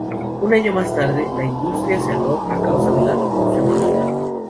Un año más tarde, la industria cerró a causa de la Revolución Cultural.